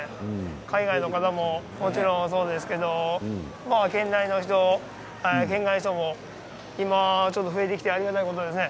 海外の方ももちろんそうですけれど県外の人も今ちょっと増えてきてありがたいことですね。